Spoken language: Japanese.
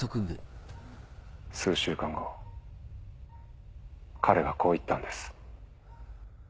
数週間後彼がこう言ったんです。